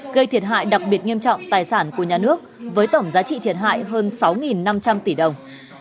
gây thiệt hại đặc biệt nghiêm trọng tài sản của nhà nước với tổng giá trị thiệt hại hơn sáu năm trăm linh tỷ đồng